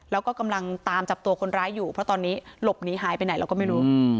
แล้วก็กำลังตามจับตัวคนร้ายอยู่เพราะตอนนี้หลบหนีหายไปไหนเราก็ไม่รู้